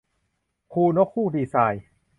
คุณนกฮูกดีไซน์